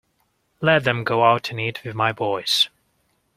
Let them go out and eat with my boys.